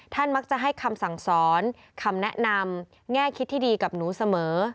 มักจะให้คำสั่งสอนคำแนะนำแง่คิดที่ดีกับหนูเสมอ